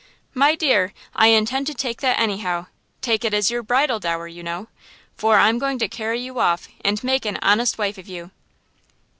"My dear, I intend to take that anyhow–take it as your bridal dower, you know! For I'm going to carry you off and make an honest wife of you!"